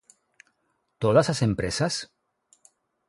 ¿Todas as empresas?